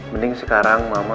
mending sekarang mama